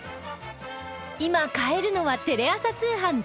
今買えるのはテレ朝通販だけ！